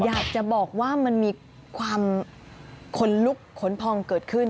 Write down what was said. อยากจะบอกว่ามันมีความขนลุกขนพองเกิดขึ้น